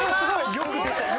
よく出たよ。